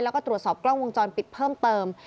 แล้วก็ตรวจสอบกล้องวงจรปิดเพิ่มเติม